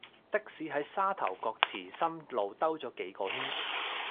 的士喺沙頭角祠心路兜左幾個圈